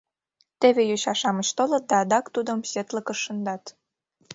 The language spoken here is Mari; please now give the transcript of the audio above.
Теве йоча-шамыч толыт да адак тудым четлыкыш шындат.